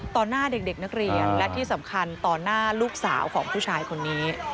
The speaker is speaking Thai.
หน้าเด็กนักเรียนและที่สำคัญต่อหน้าลูกสาวของผู้ชายคนนี้